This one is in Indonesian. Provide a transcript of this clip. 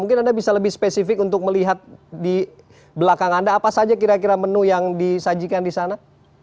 mungkin anda bisa lebih spesifik untuk melihat di belakang anda apa saja kira kira menu yang disajikan di sana